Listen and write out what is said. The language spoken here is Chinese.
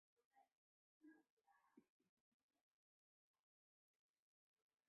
同母弟蜀王李愔。